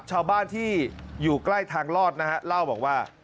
ชาวบ้านที่อยู่ใกล้ทางลอดนะฮะเล่าบอกว่า